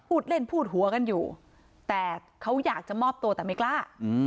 พูดเล่นพูดหัวกันอยู่แต่เขาอยากจะมอบตัวแต่ไม่กล้า